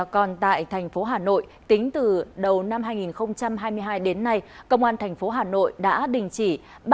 còn tại thành phố hà nội tính từ đầu năm hai nghìn hai mươi hai đến nay công an thành phố hà nội đã đình chỉ